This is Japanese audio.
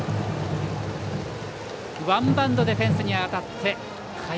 ワンバウンドでフェンスに当たりました。